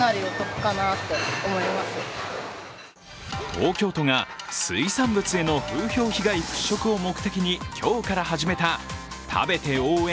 東京都が水産物への風評被害払拭を目的に今日から始めた食べて応援！